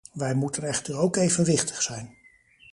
Wij moeten echter ook evenwichtig zijn.